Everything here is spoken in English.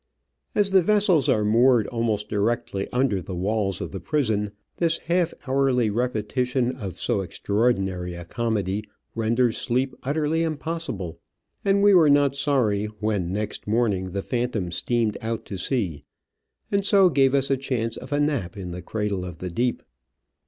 As the vessels are moored almost directly under the walls of the prison, this half hourly repetition of so extraordi nary a comedy renders sleep utterly impossible, and we were not sorry when next morning the Phantom steamed out to sea and so gave us a chance of a nap in the cradle of the deep.